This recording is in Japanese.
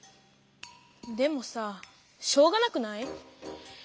でもさしょうがなくない？